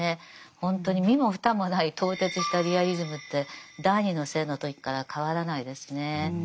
ほんとに身も蓋もない透徹したリアリズムって「第二の性」の時から変わらないですね。